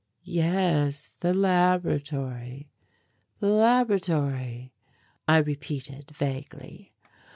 "Yes, the laboratory, the laboratory," I repeated vaguely.